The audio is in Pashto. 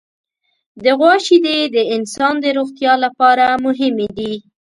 د غوا شیدې د انسان د روغتیا لپاره مهمې دي.